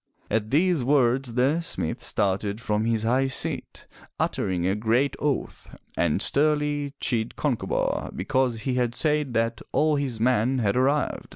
At these words the smith started from his high seat, uttering a great oath, and sternly chid Concobar because he had said that all his men had arrived.